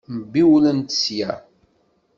Mbiwlemt sya!